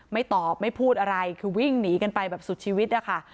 ไม่ตอบไม่พูดอะไรคือวิ่งหนีกันไปแบบสุดชีวิตนะคะ